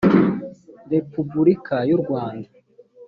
repuburika y u rwanda